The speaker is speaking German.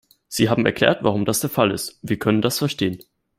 Sie haben erklärt, warum das der Fall ist, und wir können das verstehen.